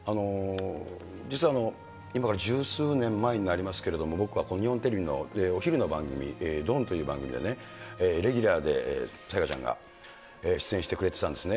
実は今から十数年前になりますけど、僕はこの日本テレビでお昼の番組、ドン！という番組でＳＡＹＡＫＡちゃんで出演してくれてたんですね。